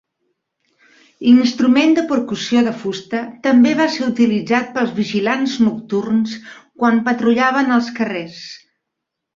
L'instrument de percussió de fusta també va ser utilitzat pels vigilants nocturns quan patrullaven els carrers.